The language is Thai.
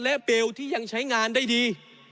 และเบลที่ยังใช้งานได้ดี